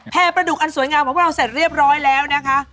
ประดุกอันสวยงามของพวกเราเสร็จเรียบร้อยแล้วนะคะ